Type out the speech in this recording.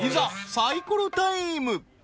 サイコロタイム